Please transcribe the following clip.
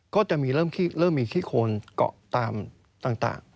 ก็จะมีเริ่มมีคขีแคลนก่อตามต่าง